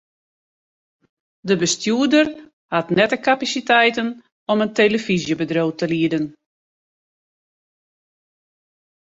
De bestjoerder hat net de kapasiteiten om in telefyzjebedriuw te lieden.